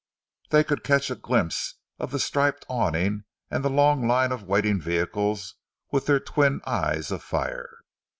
They could catch a glimpse of the striped awning and the long line of waiting vehicles with their twin eyes of fire.